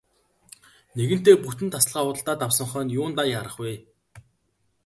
Нэгэнтээ бүтэн тасалгаа худалдаад авсан хойно юундаа яарах вэ.